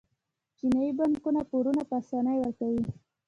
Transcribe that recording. چینايي بانکونه پورونه په اسانۍ ورکوي.